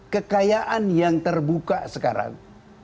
kekayaan yang terbuka sekarang